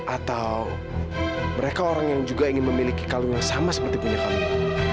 atau mereka orang yang juga ingin memiliki kalung yang sama seperti punya kalung